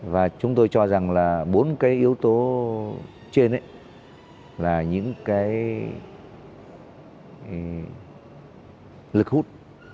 và chúng tôi cho rằng là bốn cái yếu tố trên là những cái lực hút